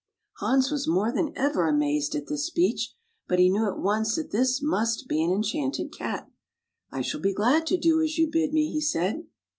Hans was more than ever amazed at this speech, but he knew at once that this must be an enchanted Cat. " I shall be glad to do as you bid me," he said.